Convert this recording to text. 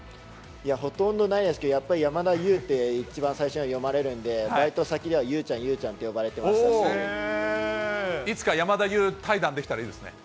ほとんどないですけど、やっぱりやまだゆうって、一番最初に読まれるんで、バイト先ではゆうちゃん、いつか山田優対談できたらいそうですね。